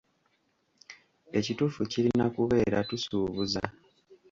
"Ekituufu kirina kubeera ""tusuubuza."""